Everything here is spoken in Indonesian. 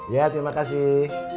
ya terima kasih